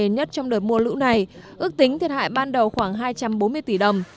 nhất trong đợt mùa lũ này ước tính thiệt hại ban đầu khoảng hai trăm bốn mươi tỷ đồng